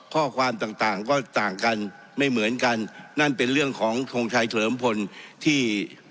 ข้อความต่างต่างก็ต่างกันไม่เหมือนกันนั่นเป็นเรื่องของทงชัยเฉลิมพลที่